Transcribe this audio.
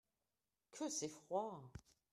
Que c'est froid !